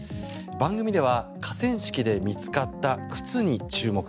番組では河川敷で見つかった靴に注目。